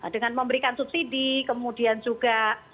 dengan memberikan subsidi kemudian juga